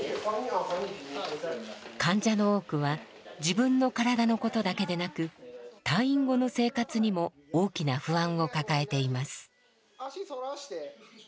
患者の多くは自分の体のことだけでなく退院後の生活にも大きな不安を抱えています。